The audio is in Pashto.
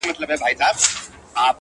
نن دي بیا سترګو کي رنګ د میکدو دی,